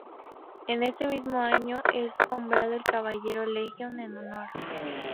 En este mismo año es nombrado Caballero de la Legion de Honor.